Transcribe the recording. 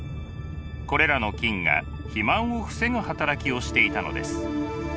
これらの菌が肥満を防ぐ働きをしていたのです。